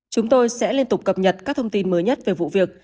chúng tôi sẽ liên tục cập nhật các thông tin mới nhất về vụ việc